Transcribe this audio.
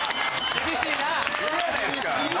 厳しいわ。